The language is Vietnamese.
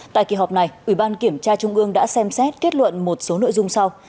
tại kỳ họp này ủy ban kiểm tra trung ương đã xem xét kết luận một số nội dung sau